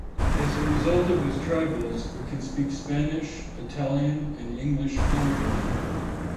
As a result of his travels, he can speak Spanish, Italian and English fluently.